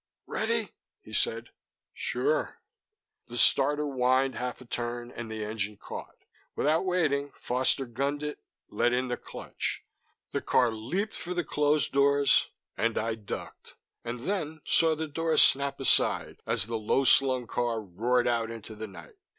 "Ready?" he said. "Sure." The starter whined half a turn and the engine caught. Without waiting, Foster gunned it, let in the clutch. The car leaped for the closed doors, and I ducked, and then saw the doors snap aside as the low slung car roared out into the night.